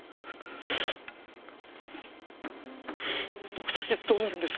僕たちどうなるんです？